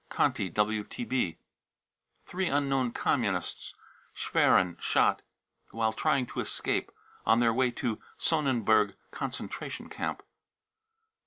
( Conti WTB .) three unknown communists, Schwerin, shot " while trying to escape " on their way to Sonnenburg concentration camp.